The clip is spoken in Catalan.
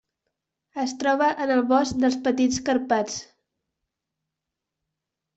Es troba en el bosc dels Petits Carpats.